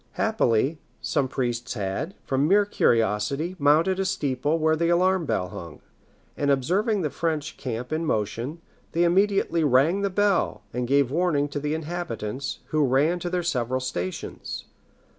Happily, some priests had, from mere curiosity, mounted a steeple, where the alarm bell hung; and observing the French camp in motion, they immediately rang the bell, and gave warning to the inhabitants, who ran to their several stations.